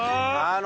ああ。